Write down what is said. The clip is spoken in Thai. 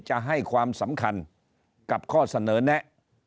จะให้ความสำคัญกับข้อเสนอแนะ